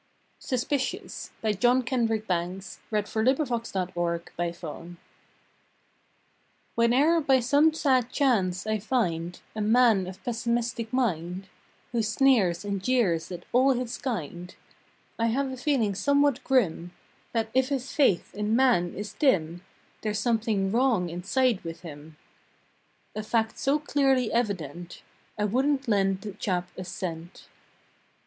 ng, And with tears your eyes are blinking. September Third SUSPICIOUS "\17HENE ER by some sad chance I find A man of pessimistic mind Who sneers and jeers at all his kind, I have a feeling somewhat grim That if his faith in man is dim There s something wrong inside with him A fact so clearly evident I wouldn t lend the chap a cent.